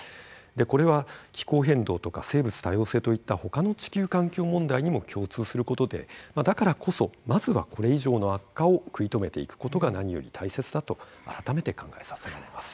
これは気候変動とか生物多様性といったほかの地球環境問題にも共通することでだからこそまずはこれ以上の悪化を食い止めていくことが何より大切だと改めて考えさせられます。